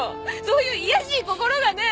そういう卑しい心がね